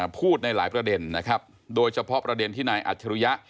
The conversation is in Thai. พูดในหลายประเด็นนะครับโดยเฉพาะประเด็นที่นายอัจฉริยะ